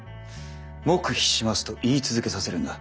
黙秘しますと言い続けさせるんだ。